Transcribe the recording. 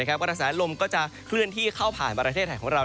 กระแสลมก็จะเคลื่อนที่เข้าผ่านประเทศไทยของเรา